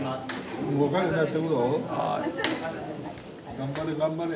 頑張れ頑張れ。